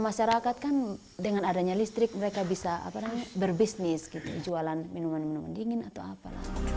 masyarakat kan dengan adanya listrik mereka bisa berbisnis gitu jualan minuman minuman dingin atau apa